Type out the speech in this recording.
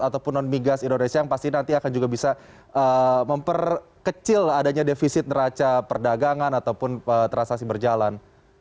ataupun non migas indonesia yang pasti nanti akan juga bisa memperkecil adanya defisit neraca perdagangan ataupun transaksi berjalan